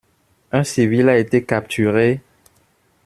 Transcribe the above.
Un civil a été capturé?!